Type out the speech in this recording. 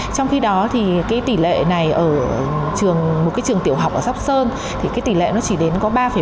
trong khi đó tỷ lệ này ở một trường tiểu học ở sắp sơn chỉ đến ba bảy